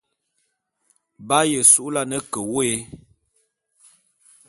B'aye su'ulane ke wôé.